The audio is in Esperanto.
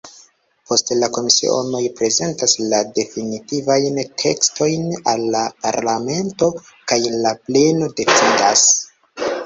Poste la komisionoj prezentas la definitivajn tekstojn al la parlamento, kaj la pleno decidas.